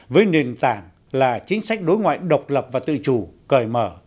với nền tảng là chính sách đối ngoại độc lập và tự chủ cởi mở